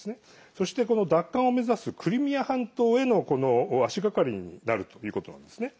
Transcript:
そして、奪還を目指すクリミア半島への足がかりになるということなんですね。